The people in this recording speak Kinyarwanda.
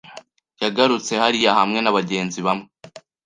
Yagarutse hariya hamwe nabagenzi bamwe.